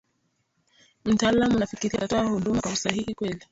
a mtaalam unafikiria atatoa hunduma kwa usahihi kweli